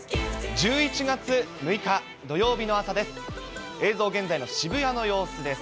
１１月６日土曜日の朝です。